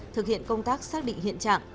thực hiện công tác xác định hiện trạng